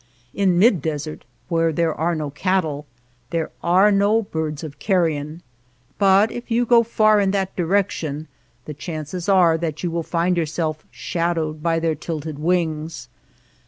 In mid desert where there are no cattle, there are no birds of carrion, but if you go far in that direction the chances are that you will find yourself shadowed by their tilted wings.